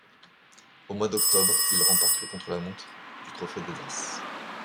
Au mois d'octobre, il remporte le contre-la-montre du Trophée des As.